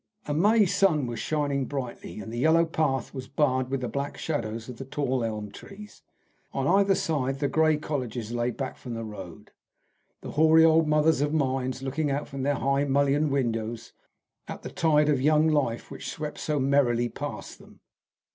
A May sun was shining brightly, and the yellow path was barred with the black shadows of the tall elm trees. On either side the grey colleges lay back from the road, the hoary old mothers of minds looking out from their high, mullioned windows at the tide of young life which swept so merrily past them.